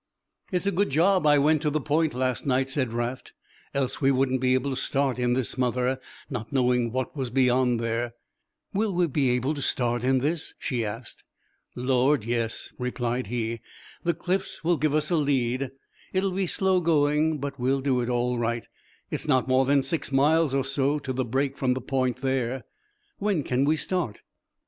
"It's a good job I went to the point last night," said Raft, "else we wouldn't be able to start in this smother, not knowing what was beyond there." "Will we be able to start in this?" she asked. "Lord, yes," replied he, "the cliffs will give us a lead, it'll be slow going but we'll do it all right, it's not more than six miles or so to the break from the point there." "When can we start?"